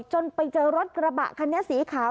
จนไปเจอรถกระบะคันนี้สีขาว